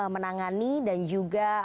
menangani dan juga